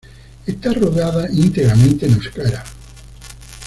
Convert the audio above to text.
Está rodada íntegramente en euskera.